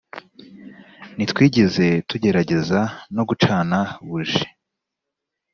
ntitwigeze tugerageza no gucana buji